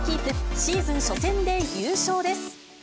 シーズン初戦で優勝です。